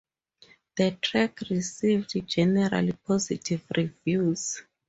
The track received generally positive reviews.